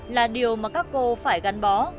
là điều mà các cô phải gắn bó